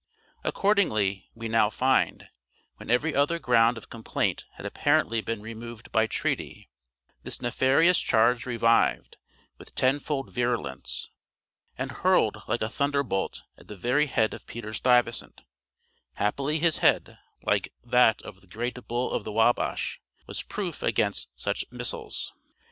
Accordingly, we now find, when every other ground of complaint had apparently been removed by treaty, this nefarious charge revived with tenfold virulence, and hurled like a thunderbolt at the very head of Peter Stuyvesant; happily his head, like that of the great bull of the Wabash, was proof against such missiles.